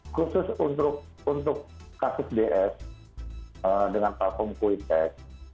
khusus untuk kasus ds dengan platform kuitek